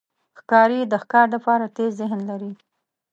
ښکاري د ښکار لپاره تېز ذهن لري.